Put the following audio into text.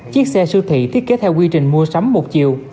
chiếc xe siêu thị thiết kế theo quy trình mua sắm một chiều